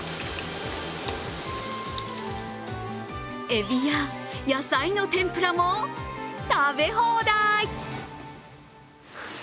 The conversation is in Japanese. えびや野菜の天ぷらも食べ放題！